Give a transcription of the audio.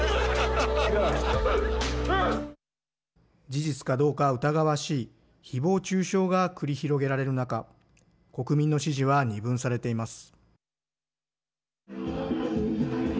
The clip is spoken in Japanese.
事実かどうか疑わしいひぼう中傷が繰り広げられる中国民の支持は二分されています。